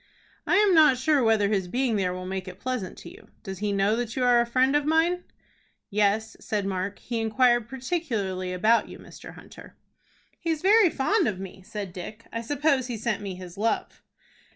"I am not sure whether his being there will make it pleasant to you. Does he know that you are a friend of mine?" "Yes," said Mark; "he inquired particularly about you, Mr. Hunter." "He's very fond of me," said Dick; "I suppose he sent me his love."